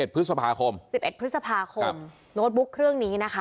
พฤษภาคม๑๑พฤษภาคมโน้ตบุ๊กเครื่องนี้นะคะ